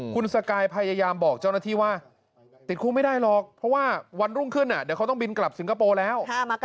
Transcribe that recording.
คุณสกายพยายามบอกเจ้าหน้าที่ว่าติดคุกไม่ได้หรอกเพราะว่าวันรุ่งขึ้นเดี๋ยวเขาต้องบินกลับสิงคโปร์แล้ว